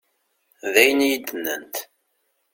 D ayen i yi-d-nnant.